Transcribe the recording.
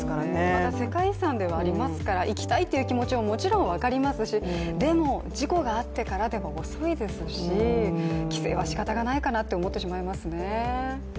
また世界遺産ではありますから行きたいという気持ちはもちろん分かりますしでも事故があってからでは遅いですし規制はしかたがないかなと思ってしまいますね。